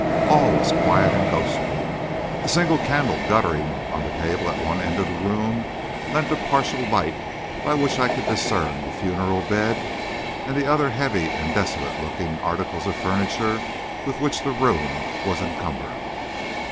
All was quiet and ghostly. A single candle guttering on the table at one end of the room lent a partial light by which I could discern the funereal bed and the other heavy and desolate looking articles of furniture with which the room was encumbered.